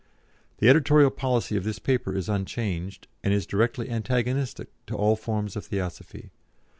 The editorial policy of this paper is unchanged, and is directly antagonistic to all forms of Theosophy.